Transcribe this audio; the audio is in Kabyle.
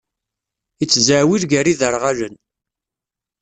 Ittzaɛwil gar iderɣalen.